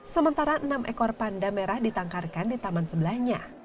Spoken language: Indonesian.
sementara enam ekor panda merah ditangkarkan di taman sebelahnya